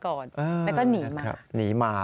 ตอนแรกก็ไม่แน่ใจนะคะ